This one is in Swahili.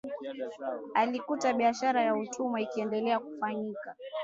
Alikuta biashara ya utumwa ikiendelea kufanyika